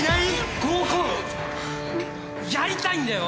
合コンやりたいんだよ！